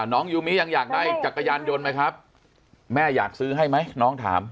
ยูมิยังอยากได้จักรยานยนต์ไหมครับแม่อยากซื้อให้ไหมน้องถาม